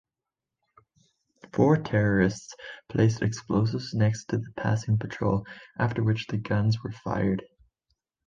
Four terrorists placed explosives next to the passing patrol, after which the guns were fired.